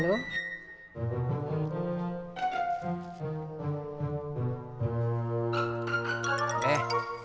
bukan om herman